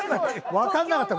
わかんなかった。